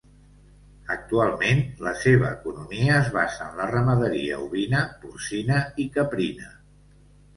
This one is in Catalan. Actualment la seva economia es basa en la ramaderia ovina, porcina i caprina.